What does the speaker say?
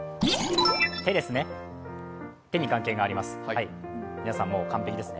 手です、手に関係があります。